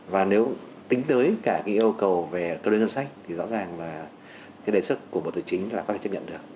và nếu tính tới cả yêu cầu về cơ đơn ngân sách thì rõ ràng là đề xuất của bộ tài chính là có thể chấp nhận được